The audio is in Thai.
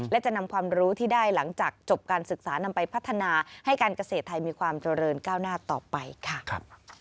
และจะนำความรู้ที่ได้หลังจากจบการศึกษานำไปพัฒนาให้การเกษตรไทยมีความเจริญก้าวหน้าต่อไปค่ะ